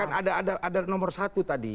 kan ada nomor satu tadi